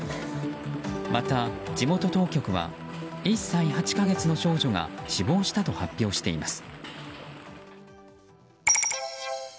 また、地元当局は１歳８か月の少女が死亡したと発表しています。